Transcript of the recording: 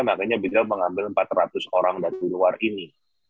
makanya biground mengambil empat ratus orang dari luar ini